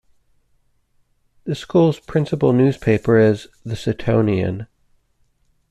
The school's principal newspaper is "The Setonian".